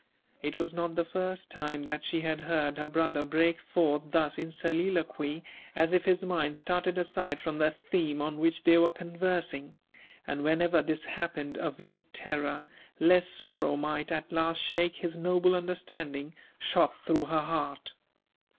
It was not the first time that she had heard her brother break forth thus in soliloquy, as if his mind started aside from the theme on which they were conversing; and whenever this happened, a vague terror, lest sorrow might at last shake his noble understanding, shot through her heart.